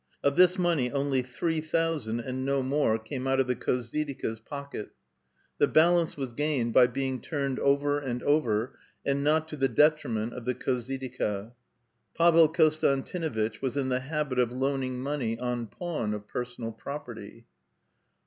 Of this money only three thousand, and no more, came out of the khozyd%ka*s pocket ; the balance was gained by being turned over and over, and not to the detriment of the khozyd'ika. Pavel Konstantinuitch was in the habit of loaning money on pawn of personal property.